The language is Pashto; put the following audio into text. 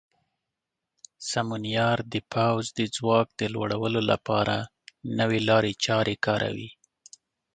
سمونیار د پوځ د ځواک د لوړولو لپاره نوې لارې چارې کاروي.